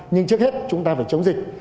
nhưng trước hết chúng ta phải chống dịch